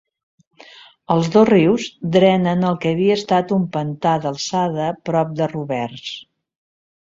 Els dos rius drenen el que havia estat un pantà d'alçada prop de Roberts.